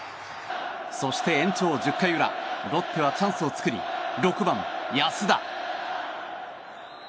そして延長１０回裏ロッテはチャンスを作り６番、安田。